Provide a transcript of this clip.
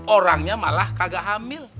orangnya malah kagak hamil